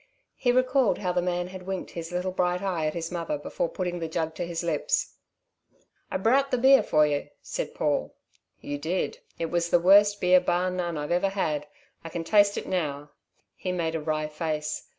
He recalled how the man had winked his little bright eye at his mother before putting the jug to his lips. "I browt th' beer for yo'," said Paul. "You did. It was the worst beer, bar none, I've ever had. I can taste it now." He made a wry face.